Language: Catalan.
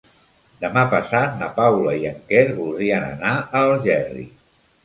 Demà passat na Paula i en Quer voldrien anar a Algerri.